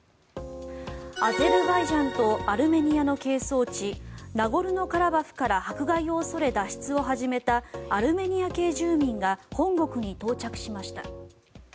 アゼルバイジャンとアルメニアの係争地ナゴルノカラバフから迫害を恐れ、脱出を始めたアルメニア系住民が本国に到着しました。